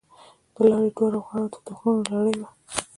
د لارې دواړو غاړو ته د غرونو لړۍ وه.